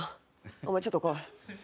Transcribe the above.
お前ちょっと来い。